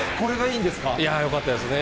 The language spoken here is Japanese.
いやー、よかったですね。